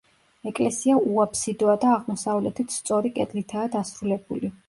ეკლესია უაფსიდოა და აღმოსავლეთით სწორი კედლითაა დასრულებული.